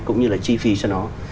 cũng như là chi phí cho nó